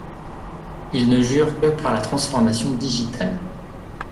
Ils ne jurent que par la transformation digitale...